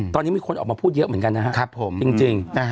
ตอนนี้มีคนออกมาพูดเยอะเหมือนกันนะครับผมจริง